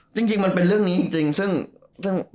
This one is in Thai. จริงมันเป็นเรื่องนี้จริงซึ่ง